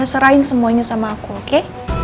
serahin semuanya sama aku oke